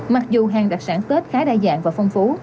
mặc dù hàng đặc sản tết khá đa dạng và phong phú